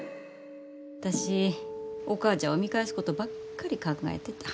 私お母ちゃんを見返すことばっかり考えてた。